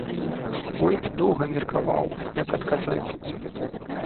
Войт доўга меркаваў, як адказаць.